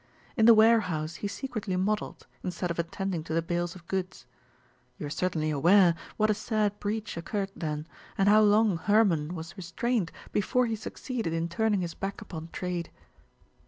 In the warehouse he secretly modelled, instead of attending to the bales of goods. You are certainly aware what a sad breach occurred then, and how long Hermon was restrained before he succeeded in turning his back upon trade."